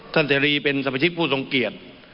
เสรีเป็นสมาชิกผู้ทรงเกียจ